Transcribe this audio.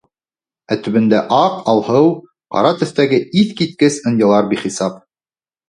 Ә төбөндә аҡ, алһыу, ҡара төҫтәге иҫ киткес ынйылар бихисап.